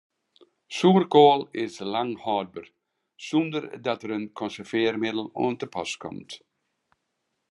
Soerkoal is lang hâldber sonder dat der in konservearringsmiddel oan te pas komt.